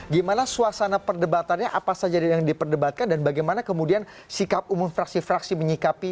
gimana suasana perdebatannya apa saja yang diperdebatkan dan bagaimana kemudian sikap umum fraksi fraksi menyikapi